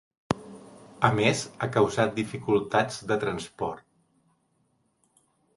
A més, ha causat dificultats de transport.